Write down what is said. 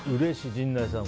陣内さん